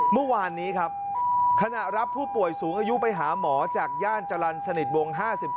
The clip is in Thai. เมื่อวานนี้ครับขณะรับผู้ป่วยสูงอายุไปหาหมอจากย่านจรรย์สนิทวง๕๗